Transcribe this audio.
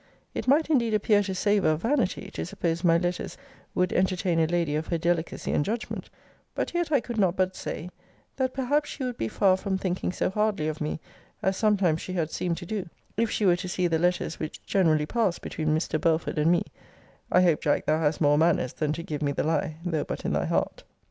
It might indeed appear to savour of vanity, to suppose my letters would entertain a lady of her delicacy and judgment: but yet I could not but say, that perhaps she would be far from thinking so hardly of me as sometimes she had seemed to do, if she were to see the letters which generally passed between Mr. Belford and me [I hope, Jack, thou hast more manners, than to give me the lie, though but in thy heart].